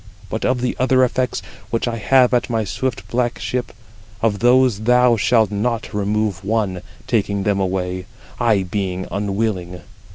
But of the other effects, which I have at my swift black ship, of those thou shalt not remove one, taking them away, I being unwilling.